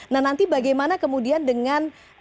nah nanti bagaimana kemudian dengan